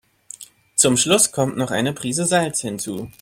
Zum Schluss kommt noch eine Prise Salz hinzu.